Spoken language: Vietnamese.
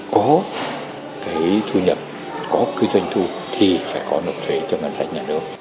có cái thu nhập có cái doanh thu thì phải có nộp thuế cho ngân sách nhà nước